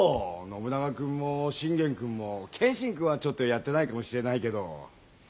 信長君も信玄君も謙信君はちょっとやってないかもしれないけど。